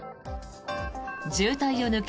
渋滞を抜け